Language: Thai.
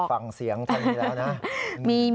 อยากฟังเสียงทันนี้แล้วนะ